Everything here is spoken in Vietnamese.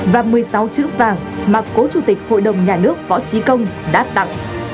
và một mươi sáu chữ vàng mà cố chủ tịch hội đồng nhà nước võ trí công đã tặng